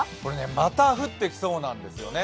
また降ってきそうなんですよね。